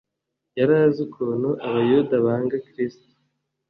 Yari azi ukuntu abayuda banga Kristo,